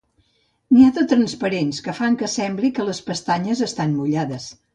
N'hi ha de transparents, que fan que sembli que les pestanyes estan mullades.